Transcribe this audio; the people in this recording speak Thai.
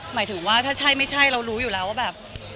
หมายถึงว่าถ้าใช่ไม่ใช่เรารู้อยู่แล้วว่าแบบ